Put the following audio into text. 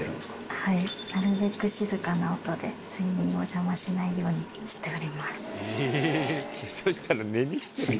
はいなるべく静かな音で睡眠を邪魔しないようにしております。